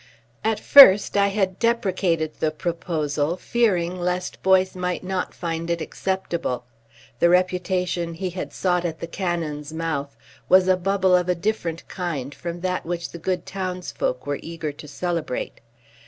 At first I had deprecated the proposal, fearing lest Boyce might not find it acceptable. The reputation he had sought at the cannon's mouth was a bubble of a different kind from that which the good townsfolk were eager to celebrate.